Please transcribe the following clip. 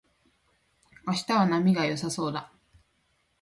明日は波が良さそうだ